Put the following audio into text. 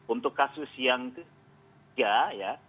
untuk kasus yang ketiga ya